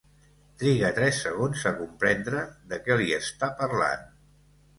Triga tres segons a comprendre de què li està parlant.